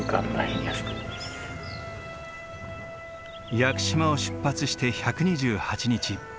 屋久島を出発して１２８日。